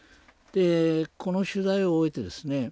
この取材を終えてですね